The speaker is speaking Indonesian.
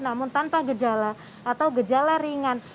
namun tanpa gejala atau gejala ringan